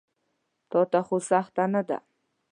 تاته خو سخته نه ده.